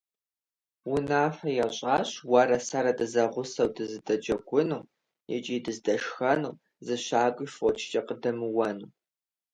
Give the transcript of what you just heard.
Унафэ ящӀащ уэрэ сэрэ дызэгъусэу дыздэджэгуну, икӀи дыздэшхэну, зы щакӀуи фочкӀэ къыдэмыуэну.